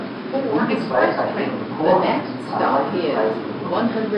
Der bundesweit agierende Chor hat zahlreiche Preise gewonnen.